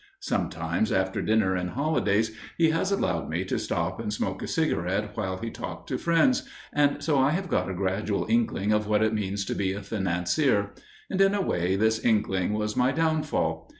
Sometimes, after dinner in holidays, he has allowed me to stop and smoke a cigarette while he talked to friends, and so I have got a gradual inkling of what it means to be a financier; and, in a way, this inkling was my downfall.